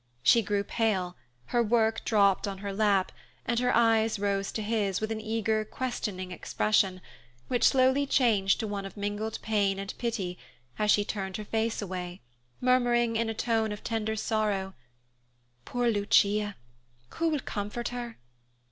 She grew pale, her work dropped on her lap, and her eyes rose to his, with an eager, questioning expression, which slowly changed to one of mingled pain and pity, as she turned her face away, murmuring in a tone of tender sorrow, "Poor Lucia, who will comfort her?"